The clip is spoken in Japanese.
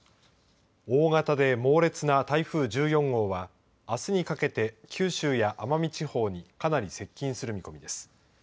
大型で猛烈な台風１４号はあすにかけて九州や奄美地方にかなり接近する見込みです。